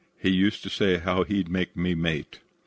He used to say he'd make me mate.